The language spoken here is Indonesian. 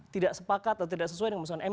tidak sepakat atau tidak sesuai dengan putusan mk